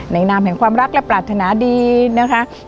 นามแห่งความรักและปรารถนาดีนะคะ